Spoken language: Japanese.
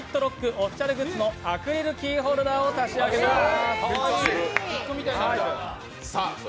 オフィシャルグッズのアクリルキーホルダーを差し上げます。